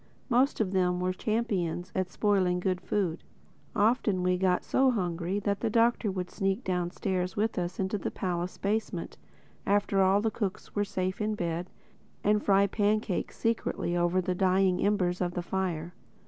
Most of them were champions at spoiling good food. Often we got so hungry that the Doctor would sneak downstairs with us into the palace basement, after all the cooks were safe in bed, and fry pancakes secretly over the dying embers of the fire.